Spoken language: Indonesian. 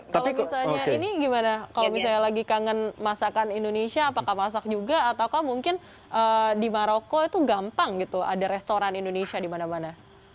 kalau misalnya ini gimana kalau misalnya lagi kangen masakan indonesia apakah masak juga ataukah mungkin di maroko itu gampang gitu ada restoran indonesia di mana mana